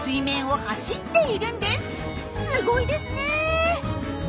すごいですね！